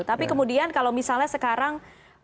tapi kemudian kalau misalnya sekarang